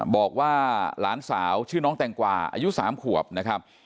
บอกว่าหลานสาวชื่อน้องแตงกว่าอายุ๓ขวบนะครับ